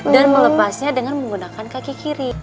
dan melepasnya dengan menggunakan kaki kiri